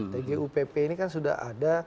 tgupp ini kan sudah ada